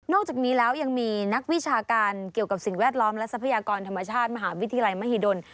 จากนี้แล้วยังมีนักวิชาการเกี่ยวกับสิ่งแวดล้อมและทรัพยากรธรรมชาติมหาวิทยาลัยมหิดล